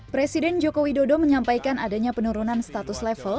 presiden joko widodo menyampaikan adanya penurunan status level